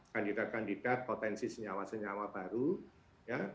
kandidat kandidat potensi senyawa senyawa baru ya